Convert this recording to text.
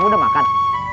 kamu udah makan